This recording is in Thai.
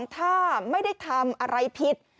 ถ้าไม่ได้ทำอะไรผิด